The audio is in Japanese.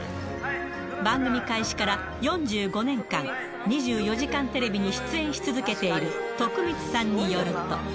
番組開始から４５年間、２４時間テレビに出演し続けている徳光さんによると。